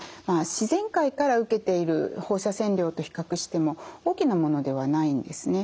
自然界から受けている放射線量と比較しても大きなものではないんですね。